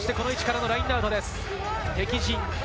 この位置からのラインアウトです。